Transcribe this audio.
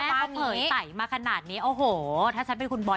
เผยไตล์มาขนาดนี้โอ้โหถ้าจะเป็นคุณบอย